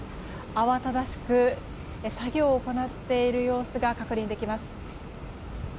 慌ただしく作業を行っている様子が確認できます。